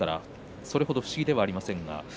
それほど不思議ではありません。